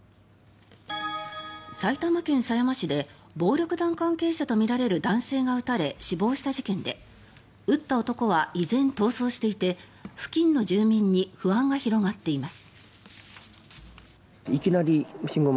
埼玉県狭山市で暴力団関係者とみられる男性が撃たれ、死亡した事件で撃った男は依然逃走していて付近の住民に不安が広がっています。